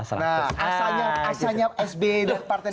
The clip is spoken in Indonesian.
asanya sb dan partai